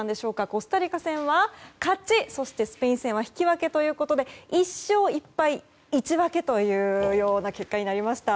コスタリカ戦は勝ちそしてスペイン戦は引き分けということで１勝１敗１分けという結果になりました。